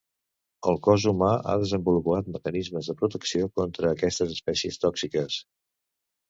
El cos humà ha desenvolupat mecanismes de protecció contra aquestes espècies tòxiques.